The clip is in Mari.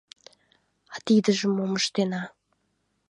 А тидыжым мом ыштена?